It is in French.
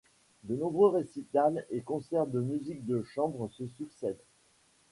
De nombreux récitals et concerts de musique de chambre se succèdent.